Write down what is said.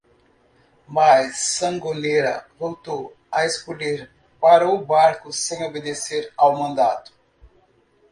Mas Sangonera voltou a encolher para o barco sem obedecer ao mandato.